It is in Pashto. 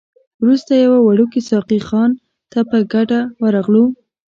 وروسته یوې وړوکي ساقي خانې ته په ګډه ورغلو.